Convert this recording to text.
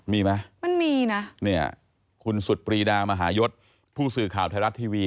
มีไหมมันมีนะเนี่ยคุณสุดปรีดามหายศผู้สื่อข่าวไทยรัฐทีวี